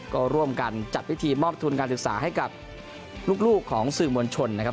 ก็ร่วมกันจัดพิธีมอบทุนการศึกษาให้กับลูกของสื่อมวลชนนะครับ